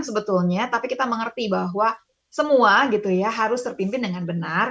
sebetulnya tapi kita mengerti bahwa semua gitu ya harus terpimpin dengan benar